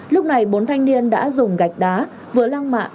lúc này bốn thanh niên đã dùng gạch đá vừa lang mạng